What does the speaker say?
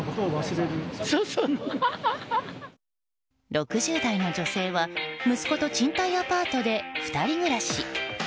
６０代の女性は、息子と賃貸アパートで２人暮らし。